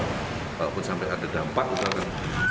walaupun sampai ada dampak kita akan